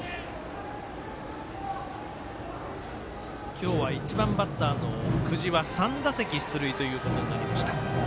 今日は１番バッターの久慈は３打席出塁ということになりました。